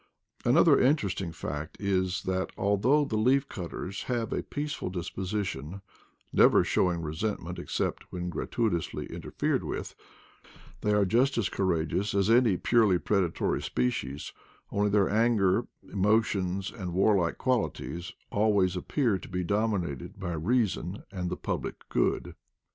An other interesting fact is that, although the leaf cutters have a peaceful disposition, never show ing resentment except when gratuitously inter fered with, they are just as courageous as any purely predatory species, only their angry emo tions and warlike qualities always appear to be dominated by reason and the public good.